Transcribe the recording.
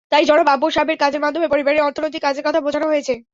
তাই জনাব আকবর সাহেবের কাজের মাধ্যমে পরিবারের অর্থনৈতিক কাজের কথা বোঝানো হয়েছে।